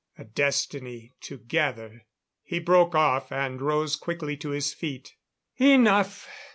A destiny together...." He broke off and rose quickly to his feet. "Enough.